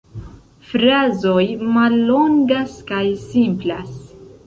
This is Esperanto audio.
Frazoj mallongas kaj simplas.